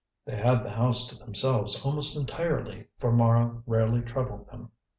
They had the house to themselves almost entirely, for Mara rarely troubled them.